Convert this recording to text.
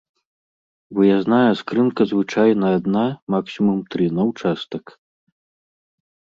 Выязная скрынка звычайна адна, максімум тры, на ўчастак.